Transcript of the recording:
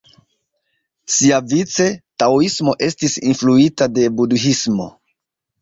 Siavice, taoismo estis influita de budhismo.